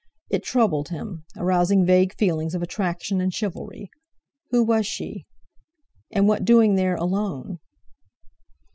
It troubled him, arousing vague feelings of attraction and chivalry. Who was she? And what doing there, alone?